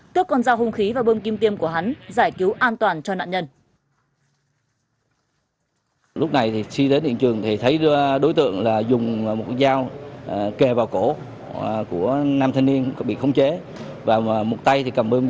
tước con dao hung khí và bơm kim tiêm của hắn giải cứu an toàn cho nạn nhân